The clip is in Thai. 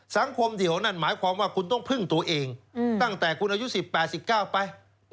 สังคมเดี่ยวนั่นหมายความว่าคุณต้องพึ่งตัวเองตั้งแต่คุณอายุ๑๘๑๙ไป